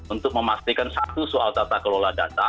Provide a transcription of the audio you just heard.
untuk memastikan satu soal tata kelola data